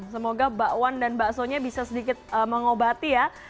semoga bakwan dan bakso nya bisa sedikit mengobati ya